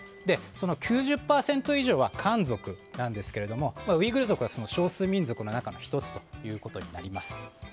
その９０％以上は漢族なんですけどウイグル族はその少数民族の中の１つとなります。